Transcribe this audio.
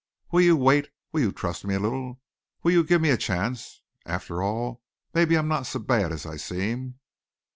"Will you wait? Will you trust me a little? Will you give me a chance? After all, maybe I'm not so bad as I seem."